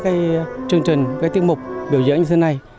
các cái chương trình các cái tiết mục biểu diễn như thế này